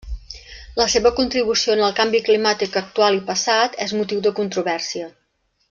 La seva contribució en el canvi climàtic actual i passat és motiu de controvèrsia.